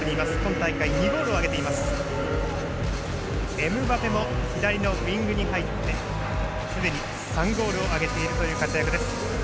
エムバペも左のウイングに入ってすでに３ゴールを挙げているという活躍です。